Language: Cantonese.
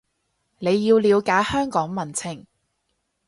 你要了解香港民情